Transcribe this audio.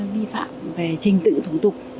vi phạm về trình tự thủ tục